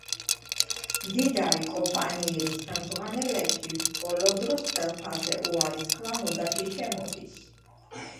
მდიდარი კომპანიების ხელმძღვანელებში ბოლო დროს ხელფასზე უარის თქმა მოდაში შემოდის.